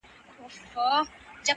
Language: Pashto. د خبرونو وياند يې’